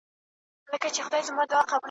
«« مشر »»